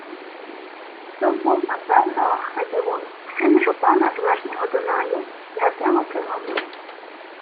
То був, напевно, Хладівой, син жупана з верхнього Дунаю, й Гатило кивнув йому.